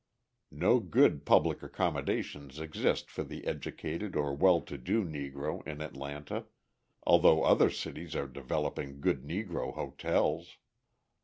No good public accommodations exist for the educated or well to do Negro in Atlanta, although other cities are developing good Negro hotels.